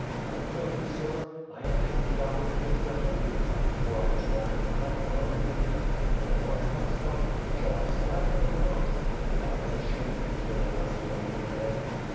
I tell you, sir, I have had the opportunity a hundred times for I was often enough alone with him, but I thought to myself, 'Shall I stab him or not; and I was ashamed to kill him as he lay in bed."